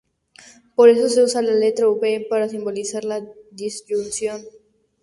Por eso se usa la letra "v" para simbolizar la disyunción.